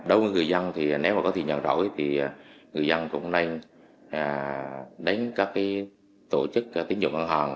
đối với người dân thì nếu mà có tiền nhận rỗi thì người dân cũng nên đánh các tổ chức tín dụng ngân hàng